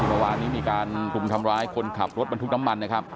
ที่เมื่อวานนี้มีการทำร้ายความขนขับรถบันทุกข์น้ำมันนะครับ